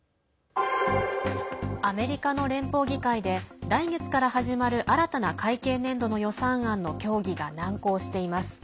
アメリカの連邦議会で来月から始まる新たな会計年度の予算案の協議が難航しています。